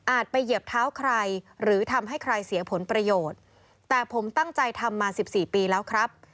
ไปเหยียบเท้าใครหรือทำให้ใครเสียผลประโยชน์แต่ผมตั้งใจทำมาสิบสี่ปีแล้วครับ